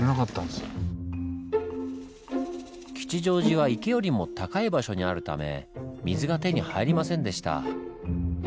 吉祥寺は池よりも高い場所にあるため水が手に入りませんでした。